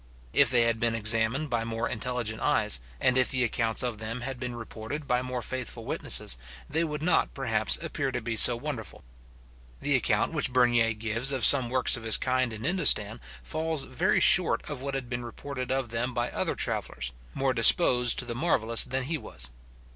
If they had been examined by more intelligent eyes, and if the accounts of them had been reported by more faithful witnesses, they would not, perhaps, appear to be so wonderful. The account which Bernier gives of some works of this kind in Indostan, falls very short of what had been reported of them by other travellers, more disposed to the marvellous than he was.